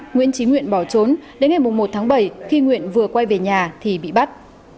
nguyễn trí nguyện bỏ trốn đến ngày một tháng bảy khi nguyện vừa quay về nhà thì bị bắt